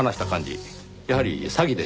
やはり詐欺でしょうね。